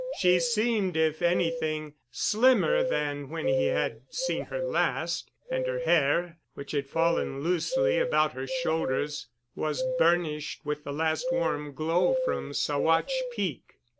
She seemed, if anything, slimmer than when he had seen her last, and her hair, which had fallen loosely about her shoulders, was burnished with the last warm glow from Saguache Peak.